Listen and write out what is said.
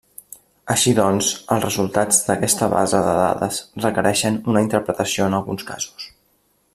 Així doncs, els resultats d'aquesta base de dades requereixen una interpretació en alguns casos.